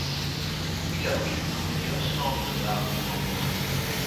Il abrite aujourd'hui un centre d'art contemporain.